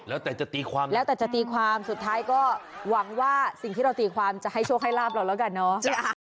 แล้วแต่จะตีความแล้วแต่จะตีความสุดท้ายก็หวังว่าสิ่งที่เราตีความจะให้โชคให้ลาบเราแล้วกันเนาะ